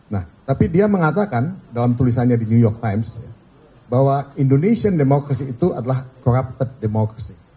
nah tapi dia mengatakan dalam tulisannya di new york times bahwa indonesian demokrasi itu adalah corrupted demokrasi